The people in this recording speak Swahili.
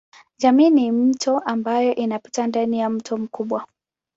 Jamii ni mito ambayo inapita ndani ya mto mkubwa.